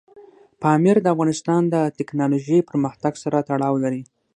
پامیر د افغانستان د تکنالوژۍ پرمختګ سره تړاو لري.